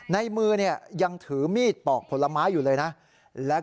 ในมือยังถือมีดเปาะผลไม้อยู่เลยนะ